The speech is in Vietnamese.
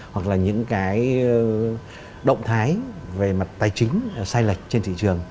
hoặc là những cái động thái về mặt tài chính sai lệch trên thị trường